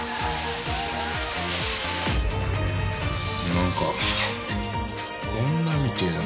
何か女みてえだな。